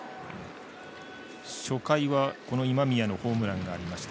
初回は今宮のホームランがありました。